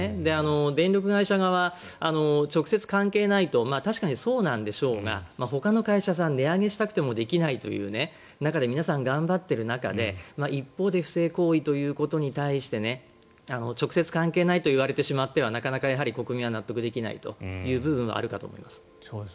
電力会社側は直接関係ないと確かにそうなんでしょうがほかの会社さん値上げしたくてもできないという中で皆さん頑張っている中で一方で不正行為ということに対して直接関係ないと言われてしまってはなかなかやはり国民は納得できない部分はあるかと思います。